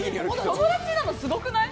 友達なの、すごくない。